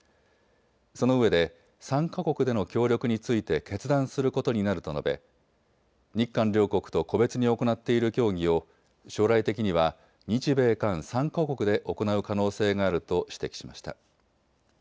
そのうえで３か国での協力について決断することになると述べ、日韓両国と個別に行っている協議を将来的には日米韓３か国で行う可能性があると指摘しました。